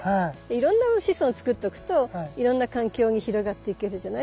いろんな子孫を作っとくといろんな環境に広がっていけるじゃない。